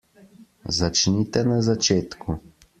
Začnite na začetku.